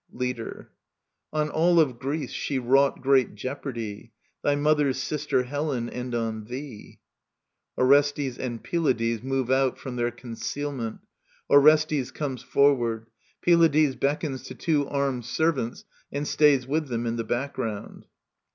Leader. On all of Greece she wrought great jeopardy, Thy mother's sister, Helen, — and on thee. [Orestes and Pylades move out from their con cealment; OKBsrtB:& comes forward: Pylades beckons to two Armed Servants and stays with them in the background.